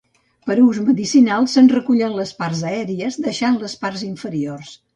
Per a ús medicinal se'n recullen les parts aèries, deixant les parts inferiors.